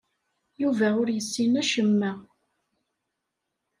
Yuba ur yessin acemma.